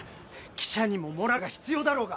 記者にもモラルが必要だろうが！